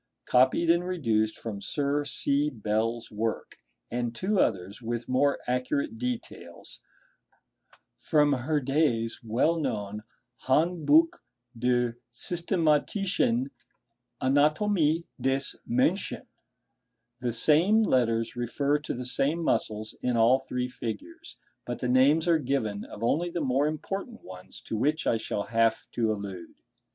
1) copied and reduced from Sir C. Bell's work, and two others, with more accurate details (figs. 2 and 3), from Herde's well known 'Handbuch der Systematischen Anatomie des Menschen.' The same letters refer to the same muscles in all three figures, but the names are given of only the more important ones to which I shall have to allude.